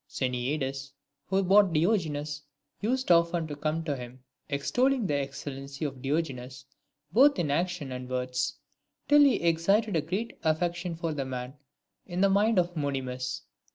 Xeniades, who bought Diogenes, used often to come to him, extolling the excellency of Diogenes both in actions and words, till he excited a great affection for the man in the mind of Monimus.